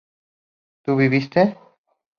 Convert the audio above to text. ¿tú viviste?